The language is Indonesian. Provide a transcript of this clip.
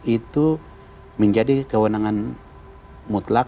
itu menjadi kewenangan mutlak pemerintah pusat